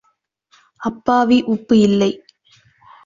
அப்பாவி உப்பு இல்லை.